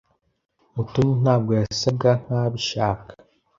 Mutoni ntabwo yasaga nkabishaka.